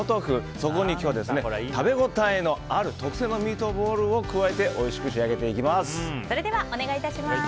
そこに今日は食べ応えのある特製のミートボールを加えてそれではお願いします。